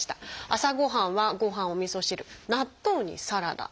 朝ごはんはご飯おみそ汁納豆にサラダ。